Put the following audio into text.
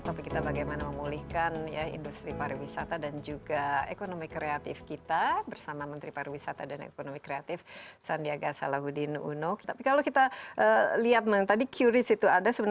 tapi kita bagaimana memulihkan ya industri pariwisata dan ekonomi kreatif kita bersama menteri pariwisata dan ekonomi kreatif sandiaga s unexpected seribu dua ratus dua puluh enam clairwon